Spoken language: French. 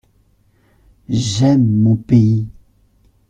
J’aime mon pays.